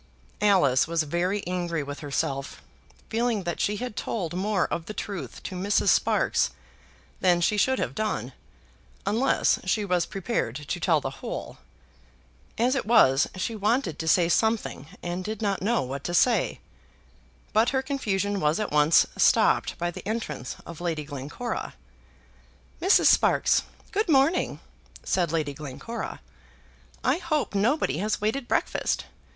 Alice was very angry with herself, feeling that she had told more of the truth to Mrs. Sparkes than she should have done, unless she was prepared to tell the whole. As it was, she wanted to say something, and did not know what to say; but her confusion was at once stopped by the entrance of Lady Glencora. "Mrs. Sparkes, good morning," said Lady Glencora. "I hope nobody has waited breakfast.